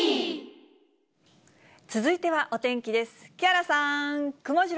続いてはお天気です。